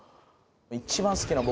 一番好きな僕